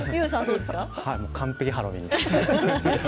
完璧ハロウィーンですね。